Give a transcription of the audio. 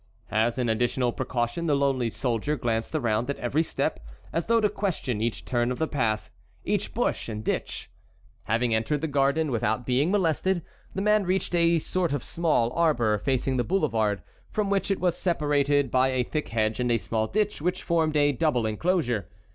As an additional precaution the lonely soldier glanced around at every step as though to question each turn of the path, each bush and ditch. Having entered the garden without being molested, the man reached a sort of small arbor, facing the boulevard, from which it was separated by a thick hedge and a small ditch which formed a double inclosure.